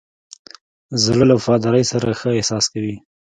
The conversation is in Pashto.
زړه له وفادارۍ سره ښه احساس کوي.